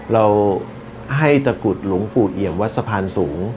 เราให้ตะกุดหลวงปู่เอี่ยมวัดสะพานสูง